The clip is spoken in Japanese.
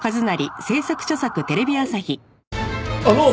あの！